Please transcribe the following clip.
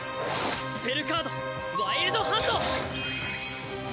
スペルカードワイルドハント！